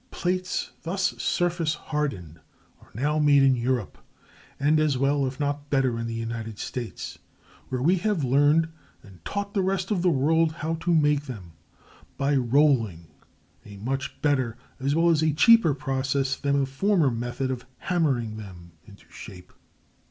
Plates thus surface hardened are now made in Europe, and as well, if not better, in the United States, where we have learned and taught the rest of the world how to make them by rolling—a much better, as well as cheaper, process than the former method of hammering them into shape.